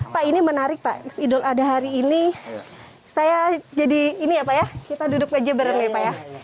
pak ini menarik pak idul adha hari ini saya jadi ini ya pak ya kita duduk aja bareng ya pak ya